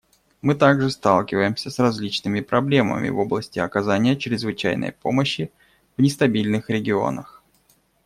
Мы также сталкиваемся с различными проблемами в области оказания чрезвычайной помощи в нестабильных регионах.